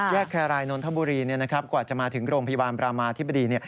แครรายนนทบุรีกว่าจะมาถึงโรงพยาบาลบรามาธิบดี